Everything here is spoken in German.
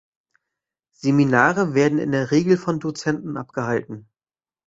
Seminare werden in der Regel von Dozenten abgehalten.